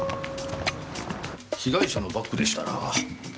被害者のバッグでしたら。